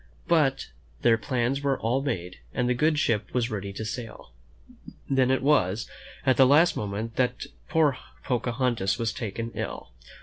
But their plans were all made, and the good ship was ready to sail. Then it was, at the last moment, that poor Pocahontas was taken ill.